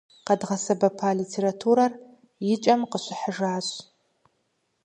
Къэдгъэсэбэпа литературэр и кӏэм къыщыхьыжащ.